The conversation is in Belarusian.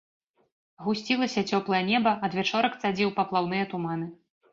Гусцілася цёплае неба, адвячорак цадзіў паплаўныя туманы.